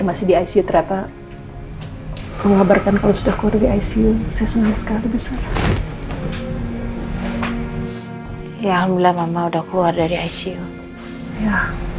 ya allah mama udah keluar dari icu ya